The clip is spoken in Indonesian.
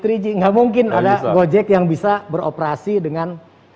tidak mungkin ada gojek yang bisa beroperasi dengan